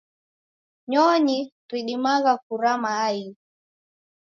Nyonyi ridimagha kurama ighu.